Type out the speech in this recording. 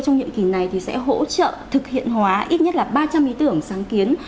trong nhiệm kỳ này thì sẽ hỗ trợ thực hiện hóa ít nhất là ba trăm linh ý tưởng sáng kiến